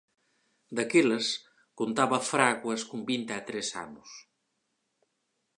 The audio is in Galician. Daquelas contaba Fraguas con vinte tres anos.